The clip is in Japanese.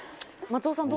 松尾さん